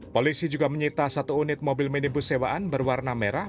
polisi juga menyita satu unit mobil minibus sewaan berwarna merah